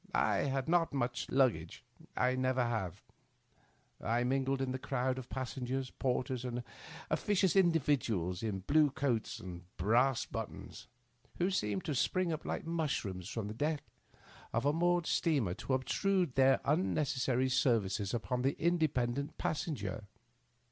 I had not much luggage — ^I never have. I mingled with the crowd of passengers, porters, and officious individuals in blue coats and brass buttons, who seemed to spring up like mush rooms from the deck of a moored steamer to obtrude their unnecessary services upon the independent pas Digitized by VjOOQIC THE UPPER BERTH. 21 senger.